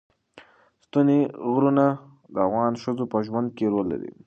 ستوني غرونه د افغان ښځو په ژوند کې رول لري.